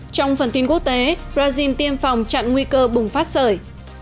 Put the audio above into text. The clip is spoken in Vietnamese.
trong phần tin quốc tế brazil tiêm phòng chặn nguy cơ bùng phát sở